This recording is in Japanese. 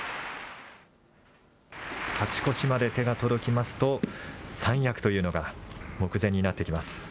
勝ち越しまで手が届きますと、三役というのが目前になってきます。